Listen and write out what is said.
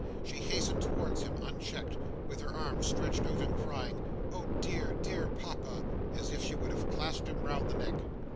She hastened towards him unchecked, with her arms stretched out, and crying "Oh dear, dear Papa!" as if she would have clasped him round the neck.